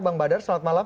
bang badar selamat malam